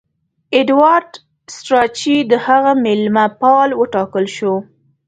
ایډوارډ سټراچي د هغه مېلمه پال وټاکل سو.